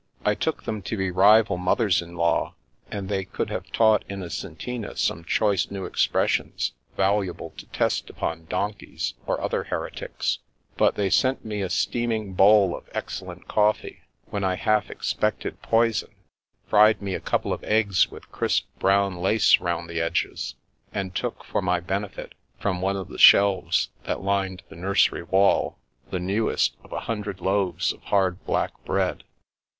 I took them to be rival mothers in law, and they could have taught Innocentina some choice new expressions valuable to test upon donkeys or other heretics ; but they sent me a steam ing bowl of excellent coffee, when I half expected poison ; fried me a couple of eggs with crisp brown lace round the edges, and took for my bendit, from one of the shelves that lined the nursery wall, the newest of a hundred loaves of hard black bread.